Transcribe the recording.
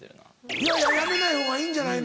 いやいややめないほうがいいんじゃないの？